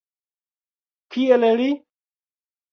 Kiel li?